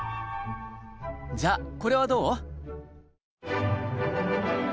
じゃあこれはどう？